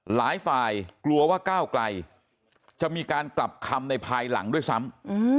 หลายฝ่ายกลัวว่าก้าวไกลจะมีการกลับคำในภายหลังด้วยซ้ำ